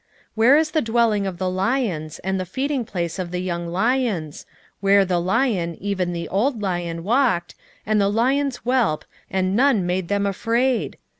2:11 Where is the dwelling of the lions, and the feedingplace of the young lions, where the lion, even the old lion, walked, and the lion's whelp, and none made them afraid?